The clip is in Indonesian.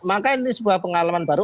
maka ini sebuah pengalaman baru